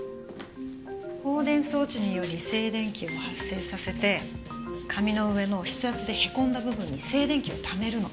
放電装置により静電気を発生させて紙の上の筆圧でへこんだ部分に静電気をためるの。